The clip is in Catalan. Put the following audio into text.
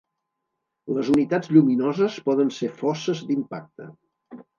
Les unitats lluminoses poden ser fosses d'impacte.